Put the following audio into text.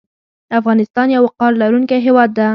افغانستان یو وقار لرونکی هیواد ده